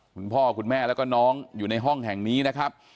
คุณพ่อคุณแม่แล้วก็น้องอยู่ในห้องแห่งนี้นะครับ